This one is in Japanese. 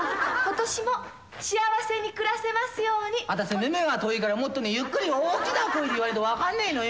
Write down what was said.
あたし耳が遠いからもっとねゆっくり大きな声で言わねえと分かんねえのよ。